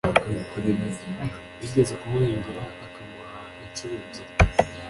wigeze kumuhingira akamuha inshuro ebyiri.